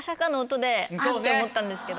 あっ！と思ったんですけど。